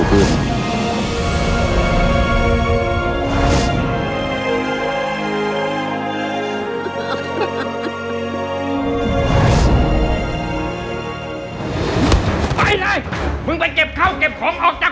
แบบนี้ก็ได้